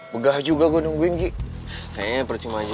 parah banget nih bocah asli